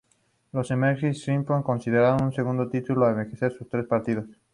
Los Emerging Springboks consiguieron su segundo título al vencer sus tres partidos.